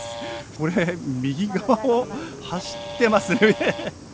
これ右側を走ってますね。